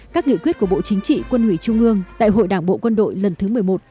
các nghị quyết của bộ chính trị quân ủy trung ương đại hội đảng bộ quân đội lần thứ một mươi một